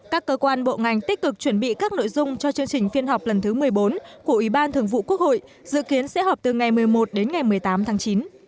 các cơ quan bộ ngành tích cực chuẩn bị các nội dung cho chương trình phiên họp lần thứ một mươi bốn của ủy ban thường vụ quốc hội dự kiến sẽ họp từ ngày một mươi một đến ngày một mươi tám tháng chín